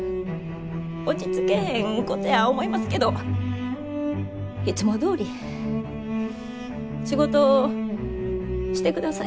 落ち着けへんことや思いますけどいつもどおり仕事してください。